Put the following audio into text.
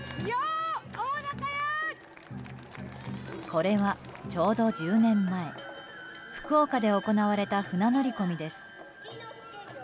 これは、ちょうど１０年前福岡で行われた船乗り込みです。